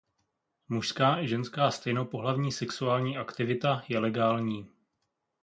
Mužská i ženská stejnopohlavní sexuální aktivita je legální.